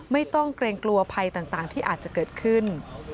ไม่ต้องเกรงกลัวภัยต่างที่อาจจะเกิดขึ้น